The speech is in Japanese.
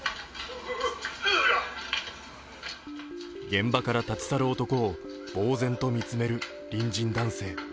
現場から立ち去る男をぼう然と見つめる隣人男性。